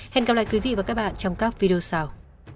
hẹn gặp lại quý vị và các bạn trong các video sau